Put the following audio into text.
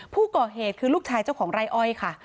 ผู้ก่อเหตุคือลูกชายเจ้าของไร่อ้อยค่ะ